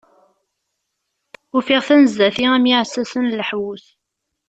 Ufiɣ-ten sdat-i am yiɛessasen n leḥbus.